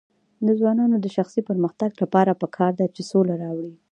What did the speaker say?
د ځوانانو د شخصي پرمختګ لپاره پکار ده چې سوله راوړي.